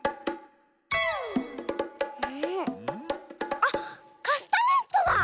あっカスタネットだ！